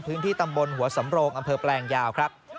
พื้นที่ตำบลหัวสำโรงอำเภอแปลงยาวครับ